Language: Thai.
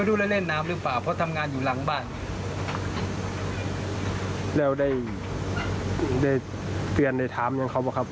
ได้เตือนอย่างเขาบอก